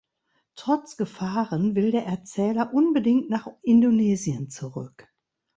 Trotz Gefahren will der Erzähler unbedingt nach Indonesien zurück.